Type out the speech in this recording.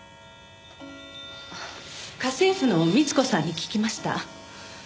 家政婦の美津子さんに聞きました。